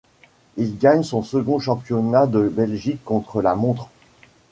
Il gagne son second championnat de Belgique contre-la-montre.